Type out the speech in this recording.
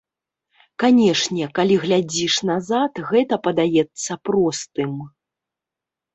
Канешне, калі глядзіш назад, гэта падаецца простым.